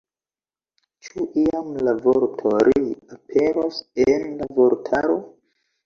Ĉu iam la vorto ”ri” aperos en la vortaro?